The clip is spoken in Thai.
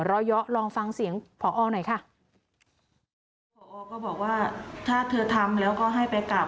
เยอะลองฟังเสียงพอหน่อยค่ะพอก็บอกว่าถ้าเธอทำแล้วก็ให้ไปกลับ